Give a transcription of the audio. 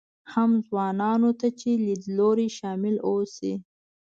هم ځوانانو ته چې لیدلوري شامل اوسي.